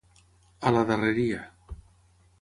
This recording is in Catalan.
A la darreria.